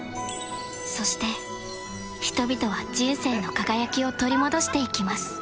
そして人々は人生の輝きを取り戻していきます